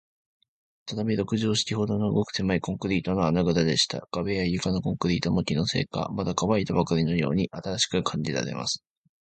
畳六畳敷きほどの、ごくせまいコンクリートの穴ぐらでした。壁や床のコンクリートも、気のせいか、まだかわいたばかりのように新しく感じられます。